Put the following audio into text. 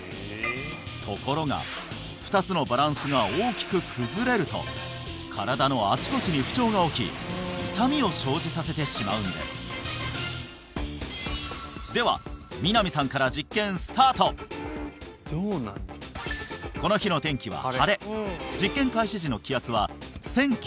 ところが２つのバランスが大きく崩れると身体のあちこちに不調が起き痛みを生じさせてしまうんですでは南さんからこの日の天気は晴れ実験開始時の気圧は１００９